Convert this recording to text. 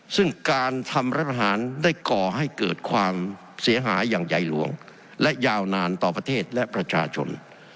ซึ่งการทำรัฐประหารได้ก่อให้เกิดความเสียหายอย่างใหญ่หลวงและยาวนานต่อประเทศและประชาชน